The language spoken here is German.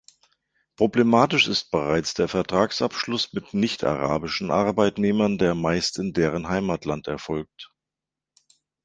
Problematisch ist bereits der Vertragsabschluss mit nicht-arabischen Arbeitnehmern, der meist in deren Heimatland erfolgt.